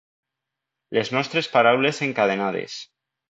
Les nostres paraules encadenades.